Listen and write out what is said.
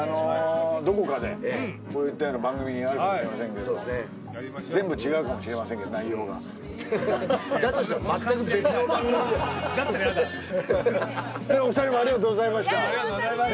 どこかでこういったような番組やるかもしれませんけど全部違うかもしれませんけど内容がだとしたら全く別の番組だよだったら嫌だお二人もありがとうございましたありがとうございました